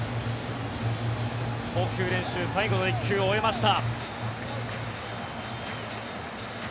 投球練習最後の１球を終えました。